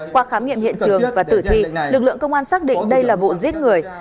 qua khám nghiệm hiện trường và tử thi lực lượng công an xác định đây là vụ giết người